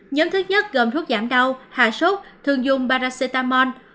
nhóm thứ nhất gồm thuốc giảm đau hạ sốt thường dùng baracetamol